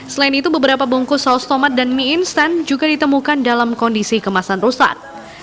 selain itu beberapa bungkus saus tomat dan mie instan juga ditemukan dalam kondisi kemasan rusak